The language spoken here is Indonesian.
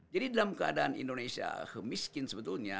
jadi dalam keadaan indonesia miskin sebetulnya